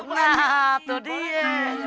nah tuh dia